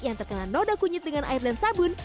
yang terkena noda kunyit dengan air dan sabun